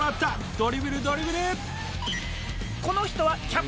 ドリブルドリブル！」